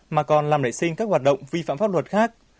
mà còn làm nảy sinh các hoạt động vi phạm pháp luật khác